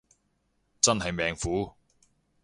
真係命苦